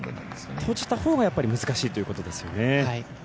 閉じたほうがやっぱり難しいということなんですね。